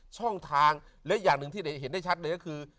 ช่องทางและอย่างหนึ่งที่เห็นได้ชัดเลยก็คือ